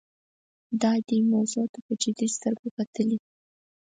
دا دې موضوع ته په جدي سترګه کتلي دي.